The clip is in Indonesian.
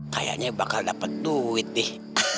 kayaknya bakal dapat duit nih